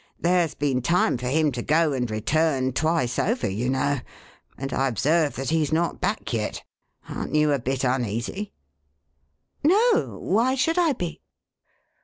There's been time for him to go and return twice over, you know; and I observe that he's not back yet. Aren't you a bit uneasy?" "No. Why should I be?"